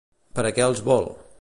Per a què els vol?